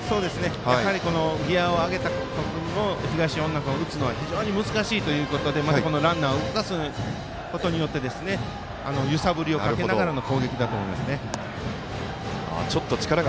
やはり、ギヤを上げた東恩納君を打つのは難しいということでランナーを動かすことによって揺さぶりをかけながらの攻撃だと思います。